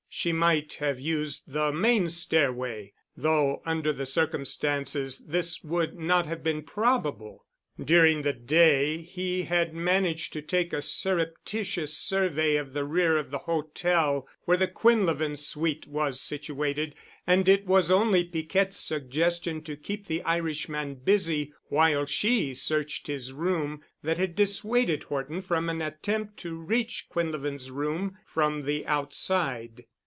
She might have used the main stair way, though under the circumstances this would not have been probable. During the day he had managed to take a surreptitious survey of the rear of the hotel where the Quinlevin suite was situated, and it was only Piquette's suggestion to keep the Irishman busy while she searched his room that had dissuaded Horton from an attempt to reach Quinlevin's room from the outside.